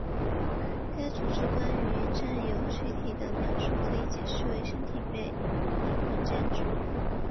该组织关于占有躯体的描述可以解释为身体被灵魂占据。